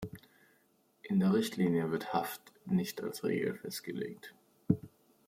In der Richtlinie wird Haft nicht als Regel festgelegt.